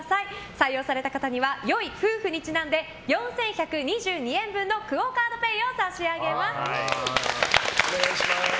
採用された方には良い夫婦にちなんで４１２２円分のＱＵＯカードＰａｙを差し上げます。